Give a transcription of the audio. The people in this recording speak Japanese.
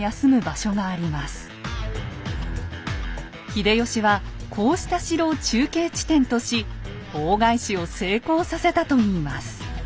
秀吉はこうした城を中継地点とし大返しを成功させたといいます。